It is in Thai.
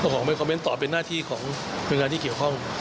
ต้องขอให้คอมเม้นต์ตอบเป็นหน้าที่ของบริษัทที่เกี่ยวข้อง